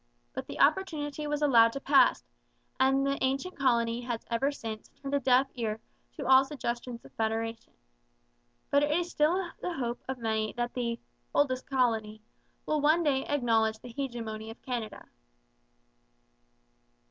But the opportunity was allowed to pass, and the ancient colony has ever since turned a deaf ear to all suggestions of federation. But it is still the hope of many that the 'Oldest Colony' will one day acknowledge the hegemony of Canada.